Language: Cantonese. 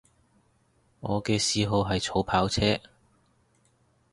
我嘅嗜好係儲跑車